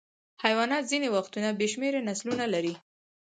حیوانات ځینې وختونه بې شمېره نسلونه لري.